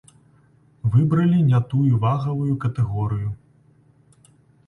Выбралі не тую вагавую катэгорыю.